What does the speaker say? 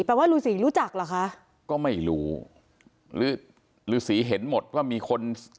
แปลว่าลูกศรีรู้จักเหรอคะก็ไม่รู้หรือลูกศรีเห็นหมดว่ามีคน